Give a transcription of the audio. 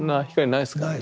ないですね。